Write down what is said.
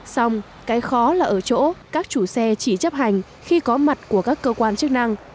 xong cái khó là ở chỗ các chủ xe chỉ chấp hành khi có mặt của các cơ quan chức năng